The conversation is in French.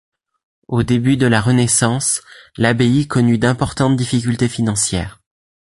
Au début de la Renaissance, l'abbaye connut d'importantes difficultés financières.